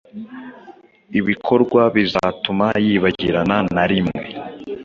ibikorwa bitazatuma yibagirana narimwe